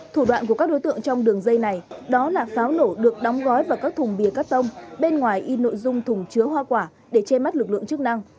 thủ đoạn của các đối tượng trong đường dây này đó là pháo nổ được đóng gói vào các thùng bìa cắt tông bên ngoài in nội dung thùng chứa hoa quả để che mắt lực lượng chức năng